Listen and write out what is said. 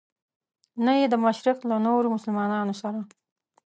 نه یې د مشرق له نورو مسلمانانو سره.